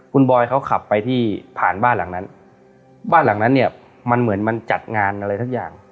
คุณบอยเขาขับไปที่ผ่านบ้านหลังนั้นบ้านหลังนั้นเนี่ยมันเหมือนมันจัดงานอะไรสักอย่าง